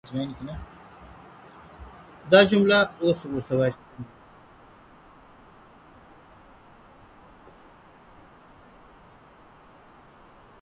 ¬ خوار که خداى کړې، دا بې غيرته چا کړې؟